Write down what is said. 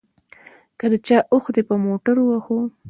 که د چا اوښ دې په موټر ووهه.